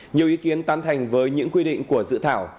nhiều ý kiến tán thành với những quy định của dự thảo